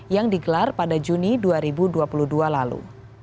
yang digelar pada juni dua ribu dua puluh dua lalu